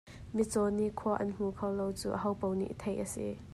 Mitcaw nih khua an hmu kho lo cu ahopaoh nih theih a si.